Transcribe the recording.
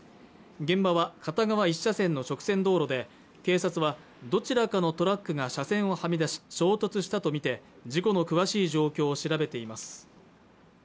現場は片側１車線の直線道路で警察はどちらかのトラックが車線をはみ出し衝突したとみて事故の詳しい状況を調べています